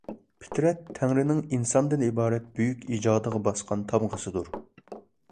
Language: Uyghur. پىترەت تەڭرىنىڭ ئىنساندىن ئىبارەت بۈيۈك ئىجادىغا باسقان تامغىسىدۇر.